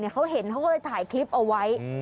เขาเห็นเขาก็เลยถ่ายคลิปเอาไว้